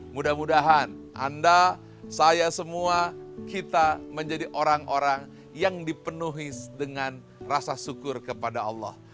mudah mudahan anda saya semua kita menjadi orang orang yang dipenuhi dengan rasa syukur kepada allah